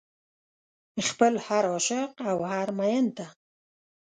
خپل هر عاشق او هر مين ته